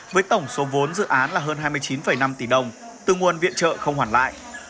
với tổng số vốn dự án là hơn hai mươi chín năm tỷ đồng từ nguồn viện trợ không hoàn lại